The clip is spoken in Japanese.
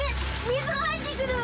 水が入ってくる。